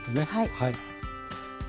はい。